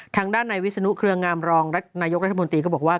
ทางด้านในวิศนุเครืองามรองนายกรัฐมนตรีก็บอกว่า